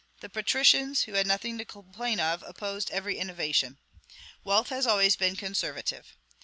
The patricians, who had nothing to complain of, opposed every innovation. Wealth always has been conservative.